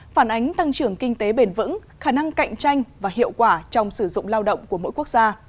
phản ánh tăng trưởng kinh tế bền vững khả năng cạnh tranh và hiệu quả trong sử dụng lao động của mỗi quốc gia